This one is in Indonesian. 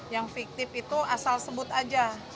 yang fiktif itu asal sebut aja